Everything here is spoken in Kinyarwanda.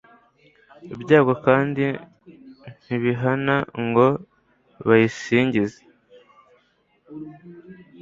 byago kandi ntibihana ngo bayisingize